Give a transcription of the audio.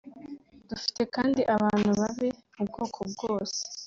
dufite kandi abantu babi mu bwoko bwose